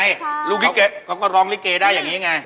ใช่ค่ะลูกลิเกเขาก็ร้องลิเกได้อย่างนี้ไง